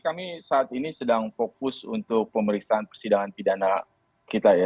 kami saat ini sedang fokus untuk pemeriksaan persidangan pidana kita ya